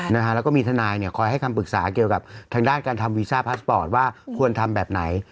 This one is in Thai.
แล้วก็มีทนายเนี่ยคอยให้คำปรึกษาเกี่ยวกับทางด้านการทำวีซ่าพาสปอร์ตว่าควรทำแบบไหน